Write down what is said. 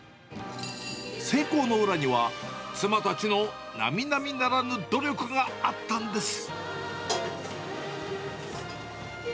成功の裏には、妻たちのなみなみならぬ努力があったんです。